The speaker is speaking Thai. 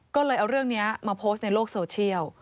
ก็เลยเอาเรื่องนี้มาโพสต์ในโลกโซเชียล